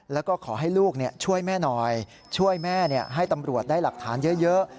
แล้วก็ขอให้ลูกช่วยแม่หน่อยช่วยแม่ให้ตำรวจได้หลักฐานเยอะ